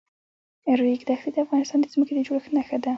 د ریګ دښتې د افغانستان د ځمکې د جوړښت نښه ده.